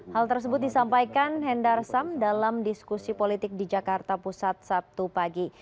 hal tersebut disampaikan hendar sam dalam diskusi politik di jakarta pusat sabtu pagi